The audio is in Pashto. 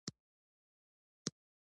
فشار په ژورو ځایونو کې زیات وي.